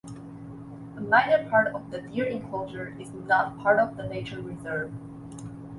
A minor part of the deer enclosure is not part of the nature reserve.